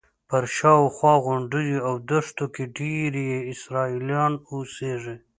پر شاوخوا غونډیو او دښتو کې ډېری یې اسرائیلیان اوسېږي.